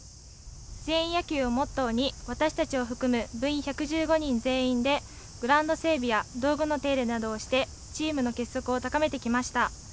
全員野球をモットーに私たちを含む部員１１５人全員でグラウンド整備や道具の手入れなどをしてチームの結束を高めてきました。